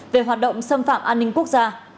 về hoạt động xâm phạm an ninh quốc gia